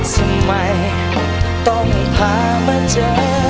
จะไม่ต้องพามาเจอ